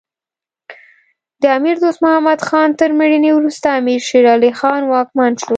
د امیر دوست محمد خان تر مړینې وروسته امیر شیر علی خان واکمن شو.